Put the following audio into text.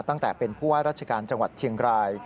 ตั้งแต่เป็นผู้ว่าราชการจังหวัดเชียงราย